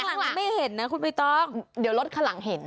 หลังไม่เห็นนะคุณไม่ต้องเดี๋ยวรถข้างหลังเห็น